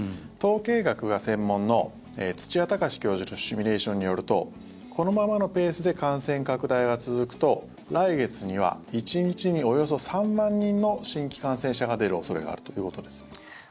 統計学が専門の土谷隆教授のシミュレーションによるとこのままのペースで感染拡大が続くと来月には１日におよそ３万人の新規感染者が出る恐れがあるということです。